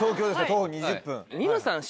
徒歩２０分。